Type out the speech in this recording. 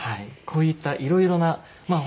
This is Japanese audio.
こういったいろいろなまあ